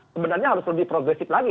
sebenarnya harus lebih progresif lagi